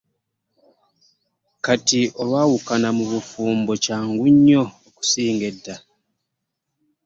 Kati olwawukana mu bufumbo kyangu nnyo okusinga edda.